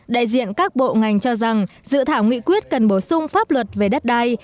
đại diện các bộ ngành cho rằng dự thảo nghị quyết cần bổ sung pháp luật về đất đai